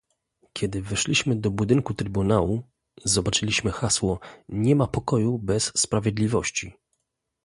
kiedy weszliśmy do budynku trybunału, zobaczyliśmy hasło "nie ma pokoju bez sprawiedliwości"